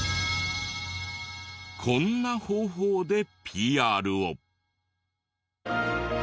こんな方法でＰＲを。